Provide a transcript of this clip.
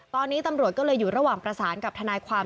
ตอนนี้ตำรวจก็เลยอยู่ระหว่างประสานกับทนายความ